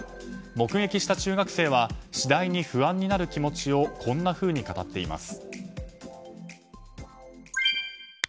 目撃した中学生は次第に不安になる気持ちをこんなふうに語っています。